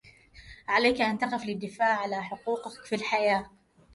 عليك أن تقف للدفاع على حقوقك في الحياة.